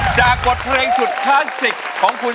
จะกดเพลงสุดคลาสสิงของคน